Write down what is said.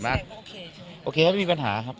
นักแสดงก็โอเคใช่ไหมครับ